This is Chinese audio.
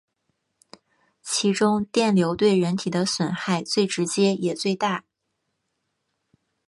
其中电流对人体的损害最直接也最大。